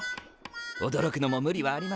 おどろくのも無理はありませんね。